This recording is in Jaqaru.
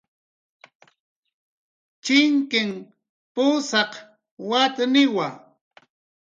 Chinkin pusaq watniwa